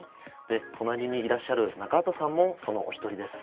隣にいらっしゃる中畑さんもそのお一人です。